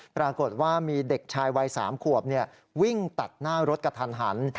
ปรากฏว่ามีเด็กชายวัย๓ขวบวิ่งตัดหน้ารถกระทันหัน